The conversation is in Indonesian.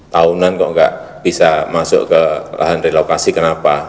tahunan kok nggak bisa masuk ke lahan relokasi kenapa